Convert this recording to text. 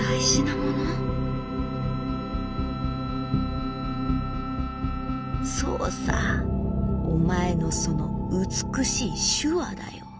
お前のその美しい手話だよ」。